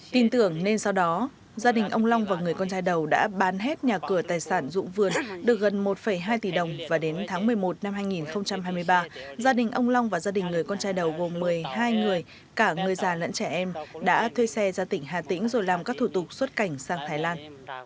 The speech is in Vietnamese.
tin tưởng nên sau đó gia đình ông long và người con trai đầu đã bán hết nhà cửa tài sản dụng vườn được gần một hai tỷ đồng và đến tháng một mươi một năm hai nghìn hai mươi ba gia đình ông long và gia đình người con trai đầu gồm một mươi hai người cả người già lẫn trẻ em đã thuê xe ra tỉnh hà tĩnh rồi làm các thủ tục xuất cảnh sang thái lan